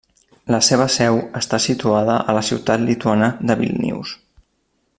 La seva seu està situada a la ciutat lituana de Vílnius.